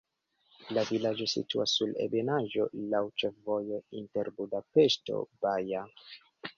La vilaĝo situas sur ebenaĵo, laŭ ĉefvojo inter Budapeŝto-Baja.